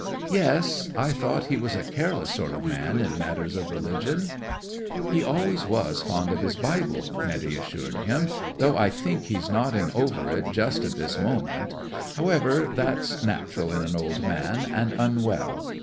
'"Yes. I thought he was a careless sort of man in matters of religion?" '"He always was fond of his Bible," Netty assured him. "Though I think he's nodding over it just at this moment However, that's natural in an old man, and unwell.